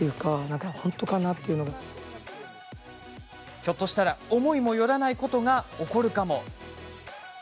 ひょっとしたら思いもよらないことが起こるかも。